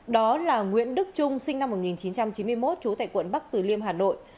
đó là nguyễn đức trung sinh năm một nghìn chín trăm chín mươi một trú tại quận bắc từ liêm hà nội